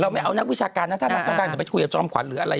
ไม่เอานักวิชาการนะถ้านักทำการจะไปคุยกับจอมขวัญหรืออะไร